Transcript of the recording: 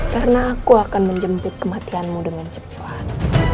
karena aku akan menjemput kematianmu dengan cepat